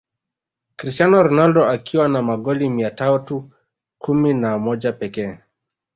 Cristiano Ronaldo akiwa na magoli mia tau kumi na mojapekee